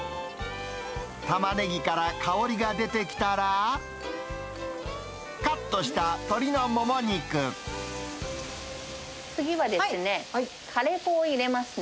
タマネギから香りが出てきたら、次はですね、カレー粉を入れますね。